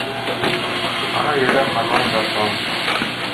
Ҡара ерҙә ҡармаңдап ҡал: